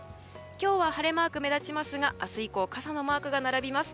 今日は晴れマークが目立ちますが明日以降傘のマークが並びます。